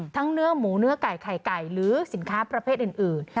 เนื้อหมูเนื้อไก่ไข่ไก่หรือสินค้าประเภทอื่น